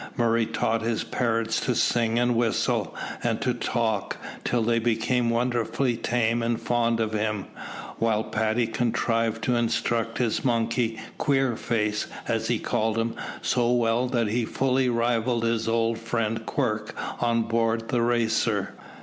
Murray taught his parrots to sing and whistle, and to talk, till they became wonderfully tame and fond of him; while Paddy contrived to instruct his monkey Queerface, as he called him, so well, that he fully rivalled his old friend Quirk on board the Racer.